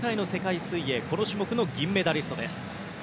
この種目の銀メダリストです。